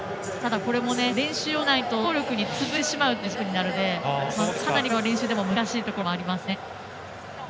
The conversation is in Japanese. これも練習をしないと走力につぶれてしまうというジャンプになるのでかなり練習でも難しいところでもありますね。